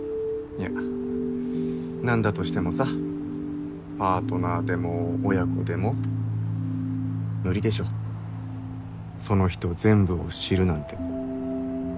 いや何だとしてもさパートナーでも親子でも無理でしょその人全部を知るなんて。